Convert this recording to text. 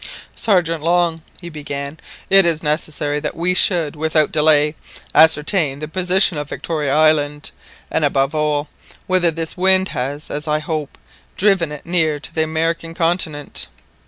"Sergeant Long," he began, "it is necessary that we should, without delay, ascertain the position of Victoria Island, and above all whether this wind has, as I hope, driven it near to the American continent."